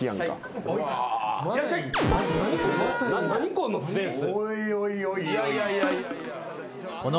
このスペース。